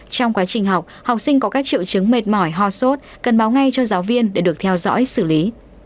trong quá trình học học sinh có các triệu chứng mệt mỏi ho sốt cần báo ngay cho giáo viên để được theo dõi xử lý